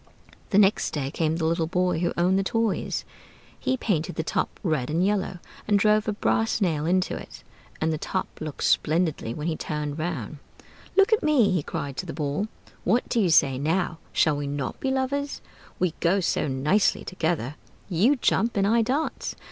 The next day came the little boy who owned the toys: he painted the Top red and yellow, and drove a brass nail into it; and the Top looked splendidly when he turned round. "Look at me!" he cried to the Ball. "What do you say now? Shall we not be lovers? We go so nicely together? You jump and I dance!